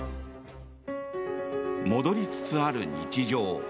戻りつつある日常。